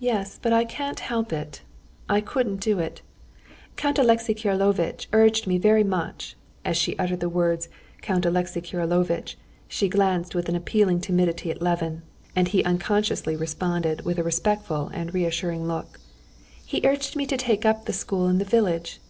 "Yes, but I can't help it; I couldn't do it. Count Alexey Kirillovitch urged me very much" (as she uttered the words Count Alexey Kirillovitch she glanced with appealing timidity at Levin, and he unconsciously responded with a respectful and reassuring look); "he urged me to take up the school in the village.